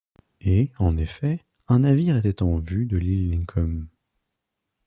Et, en effet, un navire était en vue de l’île Lincoln